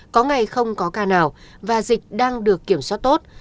có ngày không có ca nào và dịch đang được kiểm soát tốt